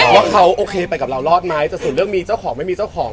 ว่าเขาโอเคไปกับเรารอดไหมแต่ส่วนเรื่องมีเจ้าของไม่มีเจ้าของ